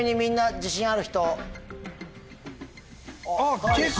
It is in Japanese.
自信ある？